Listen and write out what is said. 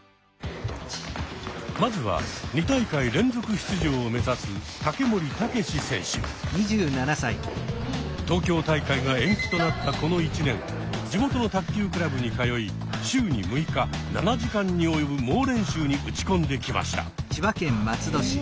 まずは２大会連続出場をめざす東京大会が延期となったこの１年地元の卓球クラブに通い週に６日７時間に及ぶ猛練習に打ち込んできました。